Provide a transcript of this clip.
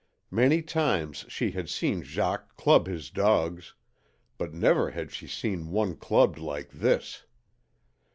Many times she had seen Jacques club his dogs, but never had she seen one clubbed like this.